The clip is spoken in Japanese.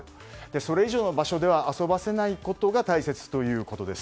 それ以上の場所では遊ばせないことが大切ということです。